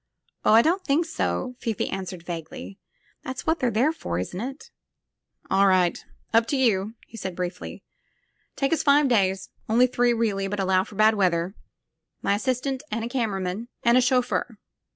''Oh, I don't believe so," Fifi answered vaguely; *' that's what they're there for, isn't it?" ''AH right .... up to you," he said briefly. "Take us five days. Only three really, but allow for bad weather. My assistant and a camera man. And a chauffeur.